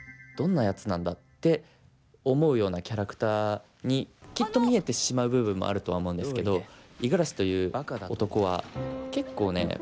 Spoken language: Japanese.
どんなやつなんだ」って思うようなキャラクターにきっと見えてしまう部分もあるとは思うんですけど五十嵐という男は結構ね